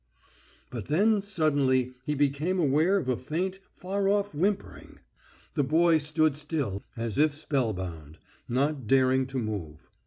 But then suddenly he became aware of a faint, far off whimpering. The boy stood still as if spellbound, not daring to move.